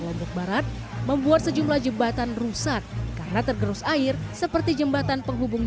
lombok barat membuat sejumlah jembatan rusak karena tergerus air seperti jembatan penghubung